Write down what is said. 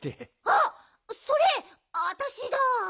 あっそれあたしだ。